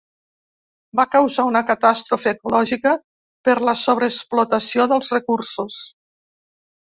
Va causar una catàstrofe ecològica per la sobreexplotació dels recursos.